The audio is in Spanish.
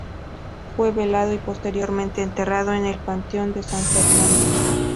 Fue velado y posteriormente enterrado en el Panteón de San Fernando.